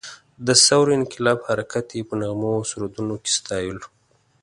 د ثور انقلاب حرکت یې په نغمو او سرودونو کې ستایلو.